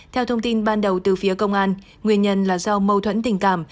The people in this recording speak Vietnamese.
theo thông tin ban đầu từ phía công an nguyên nhân là do mâu thuẫn tình cảm